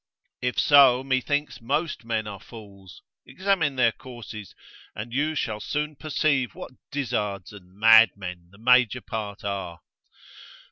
If so, methinks most men are fools; examine their courses, and you shall soon perceive what dizzards and mad men the major part are.